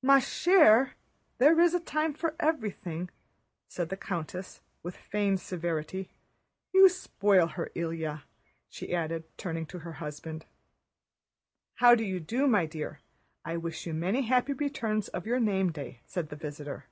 "Ma chère, there is a time for everything," said the countess with feigned severity. "You spoil her, Ilyá," she added, turning to her husband. "How do you do, my dear? I wish you many happy returns of your name day," said the visitor.